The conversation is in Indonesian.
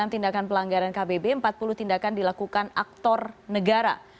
satu ratus tiga puluh enam tindakan pelanggaran kbb empat puluh tindakan dilakukan aktor negara